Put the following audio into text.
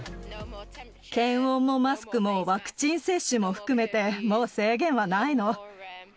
検温もマスクもワクチン接種も含めて、もう制限はないの。